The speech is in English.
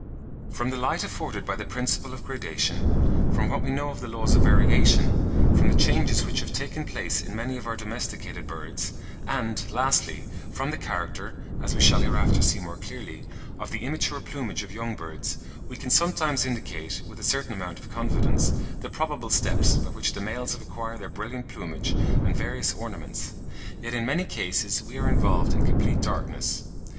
From the light afforded by the principle of gradation—from what we know of the laws of variation—from the changes which have taken place in many of our domesticated birds—and, lastly, from the character (as we shall hereafter see more clearly) of the immature plumage of young birds—we can sometimes indicate, with a certain amount of confidence, the probable steps by which the males have acquired their brilliant plumage and various ornaments; yet in many cases we are involved in complete darkness.